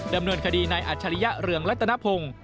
ดำเนินคดีนายอัชริยะเรืองละตนพง